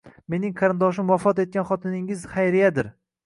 Mening qarindoshim vafot etgan xotiningiz Xayriyadir.